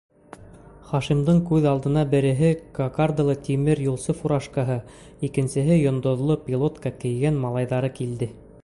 Хашимдың күҙ алдына береһе кокардалы тимер юлсы фуражкаһы, икенсеһе йондоҙло пилотка кейгән малайҙары килде.